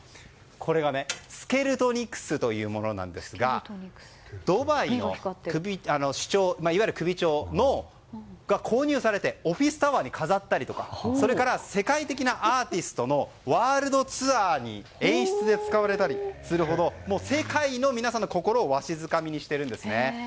これがスケルトニクスというものなんですがドバイの首長が購入されてオフィスタワーに飾ったりだとかそれから世界的なアーティストのワールドツアーに演出で使われたりするほど世界の皆さんの心をわしづかみにしているんですね。